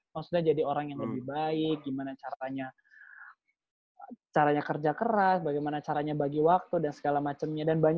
maksudnya jadi orang yang lebih baik gimana caranya caranya kerja keras bagaimana caranya bagi waktu dan segala macamnya